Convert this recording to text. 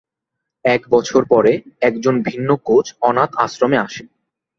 এক বছর পরে, একজন ভিন্ন কোচ অনাথ আশ্রমে আসে।